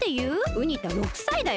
ウニ太６さいだよ。